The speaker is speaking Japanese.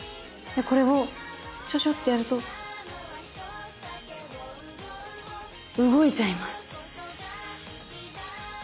これをちょちょってやると動いちゃいます。